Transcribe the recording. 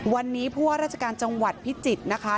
วันนี้ผู้ว่าราชการจังหวัดพิจิตรนะคะ